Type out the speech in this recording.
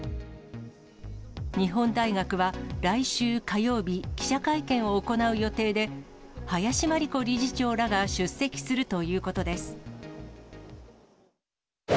日本大学は来週火曜日、記者会見を行う予定で、林真理子理事長らが出席するということです。